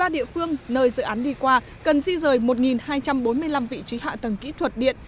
một mươi địa phương nơi dự án đi qua cần di rời một hai trăm bốn mươi năm vị trí hạ tầng kỹ thuật điện